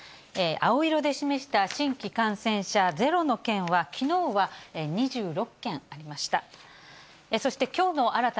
青色で示した新規感染者ゼロの県は、きのうは２６県ありました。